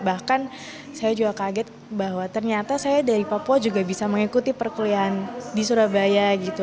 bahkan saya juga kaget bahwa ternyata saya dari papua juga bisa mengikuti perkulian di surabaya gitu